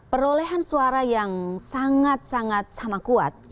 perolehan suara yang sangat sangat sama kuat